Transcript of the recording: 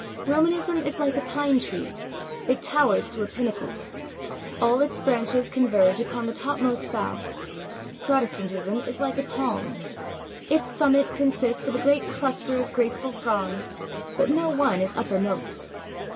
Romanism is like a pine tree. It towers to a pinnacle. All its branches converge upon the topmost bough. Protestantism is like a palm. Its summit consists of a great cluster of graceful fronds, but no one is uppermost.